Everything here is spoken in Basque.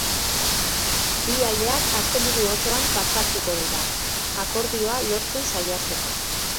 Bi aldeak asteburu osoan batzartuko dira, akordioa lortzen saiatzeko.